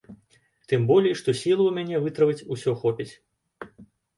Тым болей, што сілаў у мяне вытрываць усё хопіць.